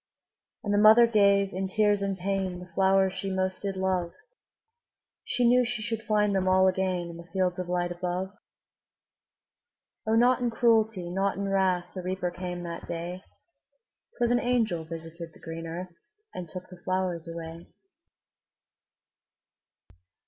'' And the mother gave, in tears and pain, The flowers she most did love; She knew she should find them all again In the fields of light above. O, not in cruelty, not in wrath, The Reaper came that day; 'Twas an angel visited the green earth, And took the flowers away.